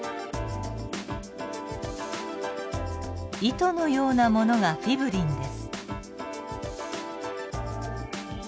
糸のようなものがフィブリンです。